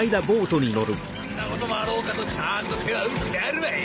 こんなこともあろうかとちゃんと手は打ってあるわい。